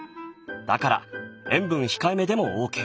だから塩分控えめでもオーケー。